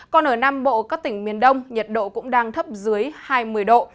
còn ở nam bộ các tỉnh miền đông nhiệt độ cũng đang thấp dưới hai mươi độ